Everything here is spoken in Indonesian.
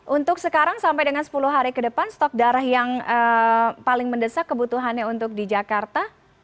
untuk sekarang sampai dengan sepuluh hari ke depan stok darah yang paling mendesak kebutuhannya untuk di jakarta